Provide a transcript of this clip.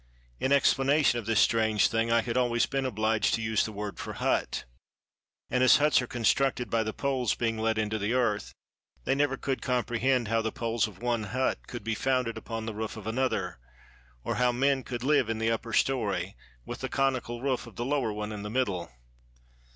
In explanation of this strange thing, I had always been obliged to use the word for hut; and as huts are constructed by the poles being let into the earth, they never could comprehend how the poles of one hut could be founded upon the roof of another, or how men could live in the upper story, with the conical roof of the lower one in the middle.